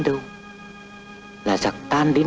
dũng cảm lên